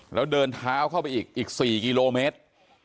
แล้วเดินเท้าเข้าไปอีก๔กิโลเมตร